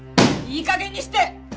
いいかげんにして！